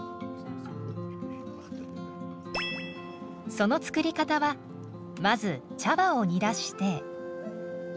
その作り方はまず茶葉を煮出して。